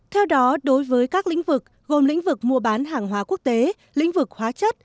theo đó đối với các lĩnh vực gồm lĩnh vực mua bán hàng hóa quốc tế lĩnh vực hóa chất